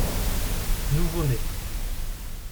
nouveau-né.